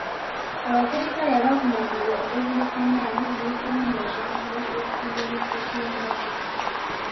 Abaserikale abavunaanibwa ogw'obuliisamaanyi n'okulumya abantu bajja kusimbwa mu kkooti y'amagye.